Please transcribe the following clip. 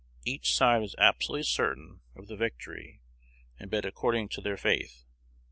Each side was absolutely certain of the victory, and bet according to their faith.